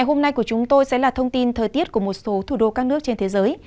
hôm nay của chúng tôi sẽ là thông tin thời tiết của một số thủ đô các nước trên thế giới